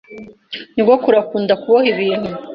Nyogokuru akunda kuboha ibintu.